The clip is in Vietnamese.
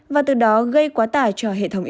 và từ đó gây quá tải cho hệ thống